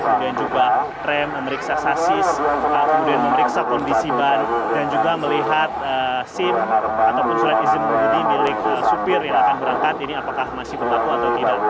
kemudian juga rem memeriksa sasis kemudian memeriksa kondisi ban dan juga melihat sim ataupun surat izin mengemudi milik supir yang akan berangkat ini apakah masih berlaku atau tidak